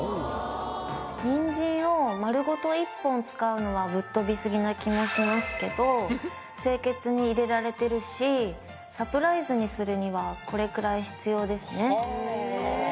人参を丸ごと１本使うのはぶっ飛びすぎな気もしますけど清潔に入れられてるしサプライズにするにはこれくらい必要ですね。